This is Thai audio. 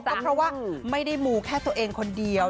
ก็เพราะว่าไม่ได้มูแค่ตัวเองคนเดียว